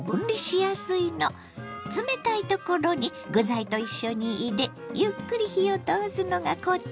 冷たいところに具材と一緒に入れゆっくり火を通すのがコツ。